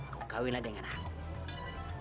kau kahwinlah dengan aku